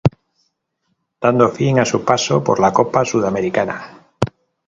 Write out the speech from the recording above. Dando fin a su paso por la Copa Sudamericana.